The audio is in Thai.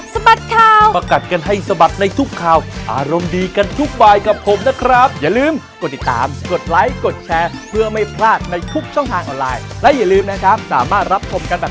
สวัสดีครับ